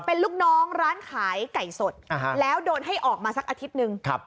เป็นลูกน้องร้านขายไก่สดแล้วโดนให้ออกมาสักอาทิตย์หนึ่ง